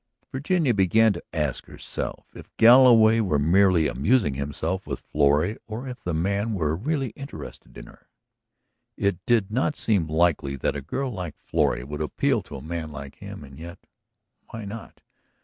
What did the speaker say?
Virginia began to ask herself if Galloway were merely amusing himself with Florrie or if the man were really interested in her. It did not seem likely that a girl like Florrie would appeal to a man like him; and yet, why not?